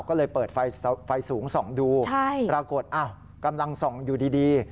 ก็เลยเปิดไฟสูงส่องดูปรากฏอ้าวกำลังส่องอยู่ดี